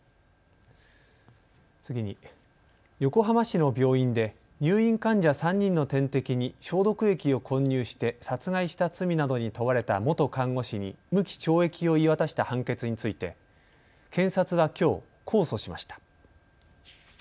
次に、横浜市の病院で入院患者３人の点滴に消毒液を混入して殺害した罪などに問われた元看護師に無期懲役を言い渡した判決について検察はきょう控訴しました。